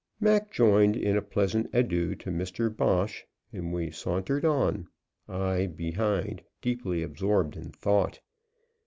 Mac joined in a pleasant adieu to Mr. Bosh, and we sauntered on, I, behind, deeply absorbed in thought.